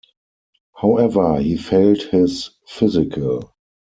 However, he failed his physical.